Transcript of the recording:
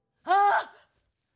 「ああ」。